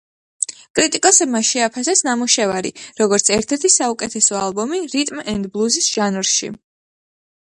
კრიტიკოსებმა შეაფასეს ნამუშევარი, როგორც ერთ-ერთი საუკეთესო ალბომი რიტმ-ენდ-ბლუზის ჟანრში.